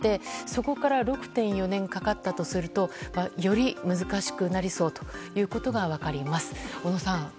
そこから６．４年かかったとするとより難しくなりそうということが分かります。